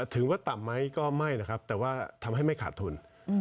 ถึงว่าต่ำไหมก็ไม่นะครับแต่ว่าทำให้ไม่ขาดทุน